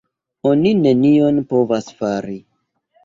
Oni nenion povas fari.